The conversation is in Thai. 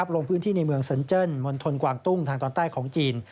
ลงพื้นที่ในเมืองสันเจิ้นมณฑลกวางตุ้งทางตอนใต้ของจีน